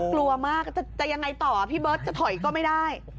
กลัวมากจะยังไงต่อพี่เบิร์ตจะถอยก็ไม่ได้